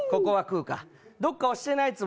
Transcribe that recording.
どっか押してないツボ